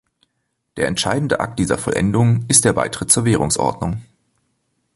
Der entscheidende Akt dieser Vollendung ist der Beitritt zur Währungsordnung.